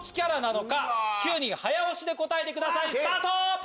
スタート！